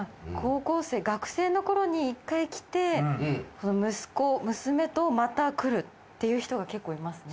学生の頃に１回来て息子娘とまた来るっていう人が結構いますね。